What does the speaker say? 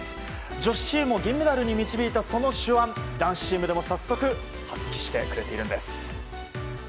女子チームを銀メダルに導いたその手腕男子チームでも早速発揮してくれているんです。